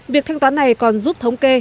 việc thanh toán này còn giúp thống kê